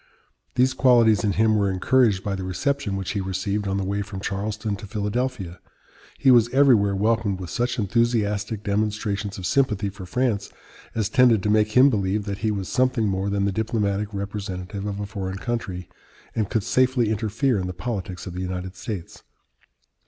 These qualities in him were encouraged by the reception which he received on the way from Charleston to Philadelphia. He was everywhere welcomed with such enthusiastic demonstrations of sympathy for France as tended to make him believe that he was something more than the diplomatic representative of a foreign country, and could safely interfere in the politics of the United States.